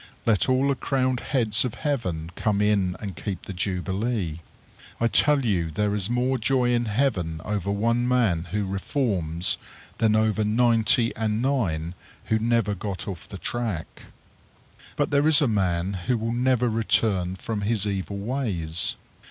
Let all the crowned heads of heaven come in and keep the jubilee. I tell you there is more joy in heaven over one man who reforms than over ninety and nine who never got off the track. But there is a man who will never return from his evil ways.